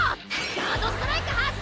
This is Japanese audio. ガード・ストライク発動！